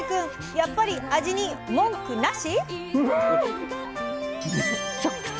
やっぱり味に文句「なし」？